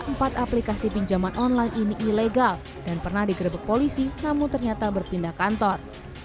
empat aplikasi pinjaman online ini ilegal dan pernah digerebek polisi namun ternyata berpindah kantor